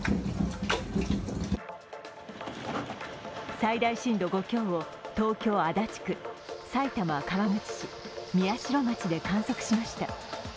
最大震度５強を東京・足立区、埼玉・川口市、宮代町で観測しました。